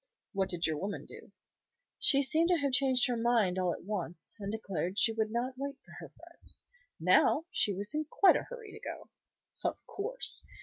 "What did your woman do?" "She seemed to have changed her mind all at once, and declared she would not wait for her friends. Now she was in quite a hurry to go." "Of course!